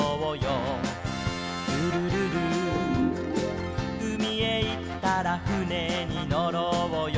「ルルルル」「うみへいったらふねにのろうよ」